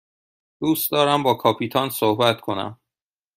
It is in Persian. دوست دارم با کاپیتان صحبت کنم.